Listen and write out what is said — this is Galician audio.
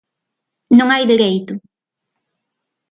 Non hai dereito.